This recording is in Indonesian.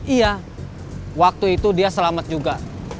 iya waktu itu dia selamat juga